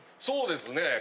そうですね。